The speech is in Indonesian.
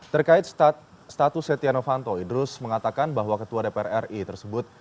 terkait status setia novanto idrus mengatakan bahwa ketua dpr ri tersebut